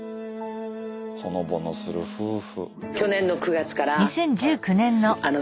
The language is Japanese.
ほのぼのする夫婦。